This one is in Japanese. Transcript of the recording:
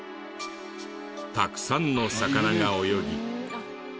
たくさんの魚が泳ぎ。